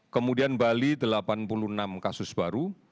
kemudian bali delapan puluh enam kasus baru